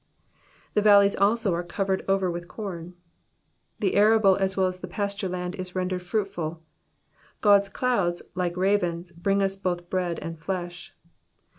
^^The fxdleys also o^re covered over with com,^'' The arable as well as the pasture land is rendered fruitful. God's clouds, like ravens, bring us both bread and flesh.